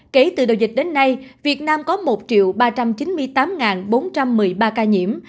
kể từ đầu dịch đến nay việt nam có một ba trăm chín mươi tám bốn trăm một mươi ba ca nhiễm